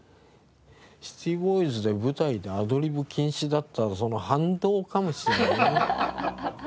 シティボーイズで舞台でアドリブ禁止だったその反動かもしれないね。